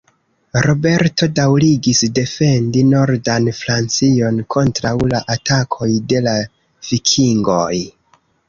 Roberto daŭrigis defendi nordan Francion kontraŭ la atakoj de la Vikingoj.